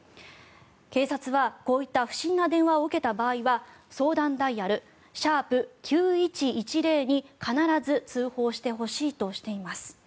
警察は、こういった不審な電話を受けた場合は相談ダイヤル、「＃９１１０」に必ず通報してほしいとしています。